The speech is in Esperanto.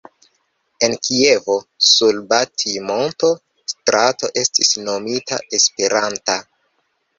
En Kievo, sur Batij-monto strato estis nomita Esperanta.